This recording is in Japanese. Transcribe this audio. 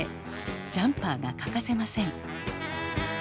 ジャンパーが欠かせません。